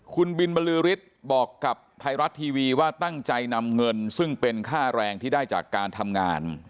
คุณบินบรือฤทธิ์บอกกับไทยรัฐทีวีว่าตั้งใจนำเงินซึ่งเป็นค่าแรงที่ได้จากการทำงาน